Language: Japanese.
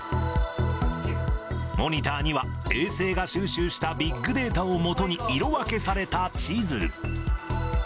モニターには衛星が収集したビッグデータを基に色分けされた地図。